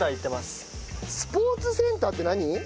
スポーツセンターって何？